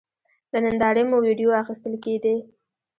له نندارې مو وېډیو اخیستل کېدې.